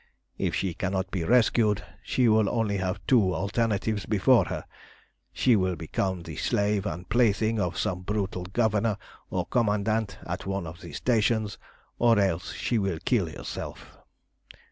If she cannot be rescued, she will only have two alternatives before her. She will become the slave and plaything of some brutal governor or commandant at one of the stations, or else she will kill herself.